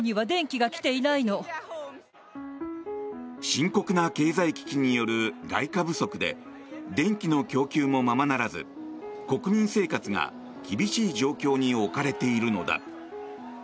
深刻な経済危機による外貨不足で電気の供給もままならず国民生活が厳しい状況に置かれているのだ。